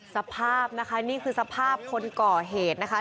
สภาพนะคะนี่คือสภาพคนก่อเหตุนะคะ